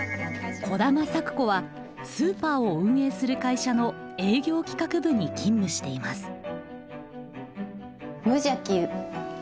兒玉咲子はスーパーを運営する会社の営業企画部に勤務しています。